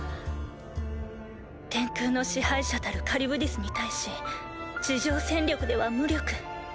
天空の支配者たるカリュブディスに対し地上戦力では無力。